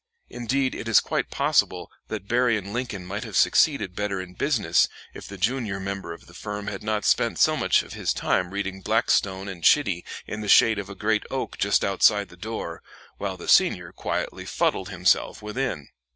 Indeed, it is quite possible that Berry and Lincoln might have succeeded better in business if the junior member of the firm had not spent so much of his time reading Blackstone and Chitty in the shade of a great oak just outside the door, while the senior quietly fuddled himself within.